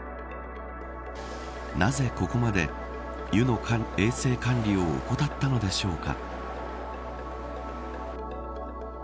なぜ、ここまで湯の衛星管理を怠ったのでしょうか。